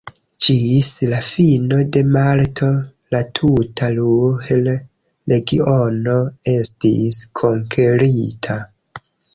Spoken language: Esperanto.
Ĝis la fino de marto la tuta Ruhr-Regiono estis konkerita.